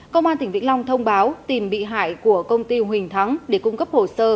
công an tỉnh vĩnh long thông báo tìm bị hại của công ty huỳnh thắng để cung cấp hồ sơ